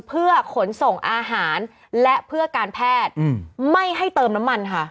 เพื่อขนส่งอาหารและเพื่อการแพทย์ไม่ให้เติมน้ำมันค่ะ